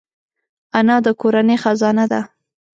انا د کورنۍ خزانه ده